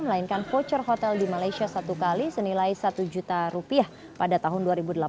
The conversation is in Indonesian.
melainkan voucher hotel di malaysia satu kali senilai satu juta rupiah pada tahun dua ribu delapan belas